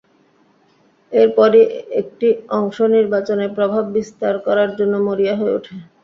এরপরই একটি অংশ নির্বাচনে প্রভাব বিস্তার করার জন্য মরিয়া হয়ে ওঠে।